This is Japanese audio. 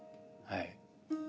はい。